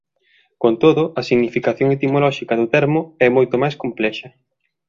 Con todo a significación etimolóxica do termo é moito máis complexa.